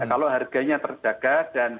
kalau harganya terjaga dan